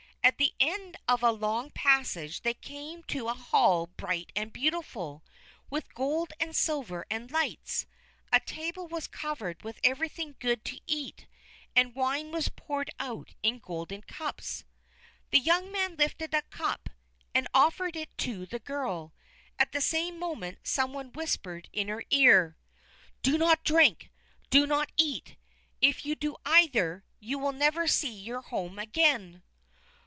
At the end of a long passage they came to a hall bright and beautiful with gold and silver and lights. A table was covered with every good thing to eat, and wine was poured out in golden cups. The young man lifted a cup, and offered it to the girl; at the same moment some one whispered in her ear: "Do not drink! Do not eat! If you do either, you will never see your home again!"